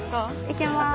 いけます。